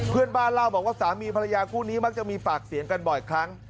เพื่อนบ้านเล่าบอกว่าสามีภรรยาคู่นี้มักจะมีปากเสียงกันบ่อยครั้ง